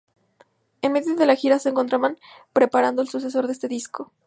En medio de la gira, se encontraban preparando el sucesor de este disco.